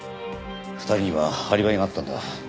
２人にはアリバイがあったんだ。